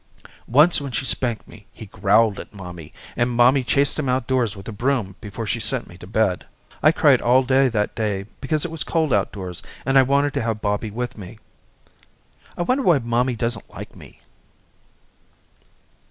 Once when she spanked me he growled at mommy, and mommy chased him outdoors with a broom before she sent me to bed. I cried all day that day because it was cold outdoors and I wanted to have Bobby with me. I wonder why mommy doesn't like me?